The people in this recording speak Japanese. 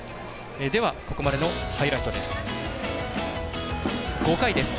ここまでのハイライトです。